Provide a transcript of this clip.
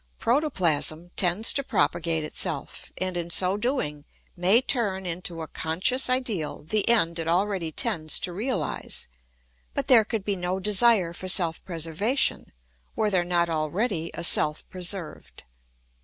Protoplasm tends to propagate itself, and in so doing may turn into a conscious ideal the end it already tends to realise; but there could be no desire for self preservation were there not already a self preserved.